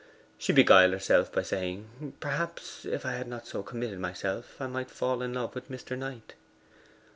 She beguiled herself by saying, 'Perhaps if I had not so committed myself I might fall in love with Mr. Knight.